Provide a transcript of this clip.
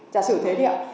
giả sử thế đi ạ